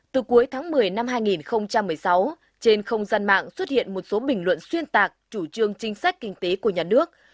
từ cuối tháng một mươi năm hai nghìn một mươi sáu trên không gian mạng xuất hiện một số bình luận xuyên tạc chủ trương chính sách kinh tế của nhà nước